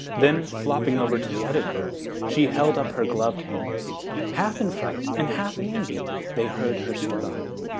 Then, flopping over to the other girls, she held up her gloved hands. Half in fright and half in envy, they heard her story.